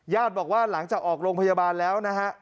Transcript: ญาติบอกว่าหลังจากออกโรงพยาบาลแล้วนะครับ